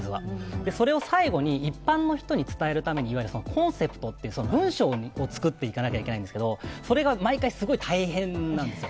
それを最後に一般の人に伝えるために、コンセプトという文章を作っていかなきゃいけないんですけれどもそれが毎回すごい大変なんですよ。